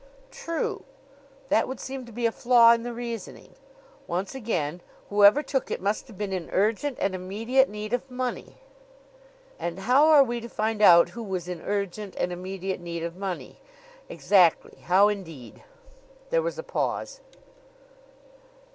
"True! That would seem to be a flaw in the reasoning. Once again: Whoever took it must have been in urgent and immediate need of money." "And how are we to find out who was in urgent and immediate need of money?" "Exactly! How indeed?" There was a pause.